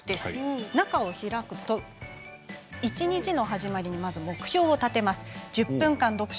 中を開くと一日の始まりに目標を立てます。